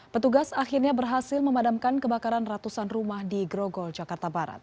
petugas akhirnya berhasil memadamkan kebakaran ratusan rumah di grogol jakarta barat